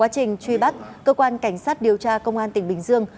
tình truy bắt cơ quan cảnh sát điều tra công an tp bình dương